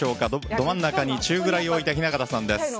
ど真ん中に中を置いた雛形さんです。